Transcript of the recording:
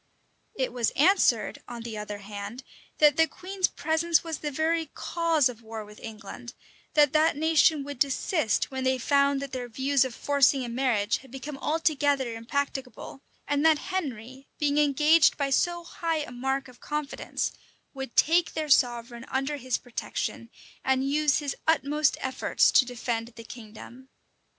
It was answered, on the other hand, that the queen's presence was the very cause of war with England; that that nation would desist when they found that their views of forcing a marriage had become altogether impracticable; and that Henry, being engaged by so high a mark of confidence, would take their sovereign under his protection, and use his utmost efforts to defend the kingdom.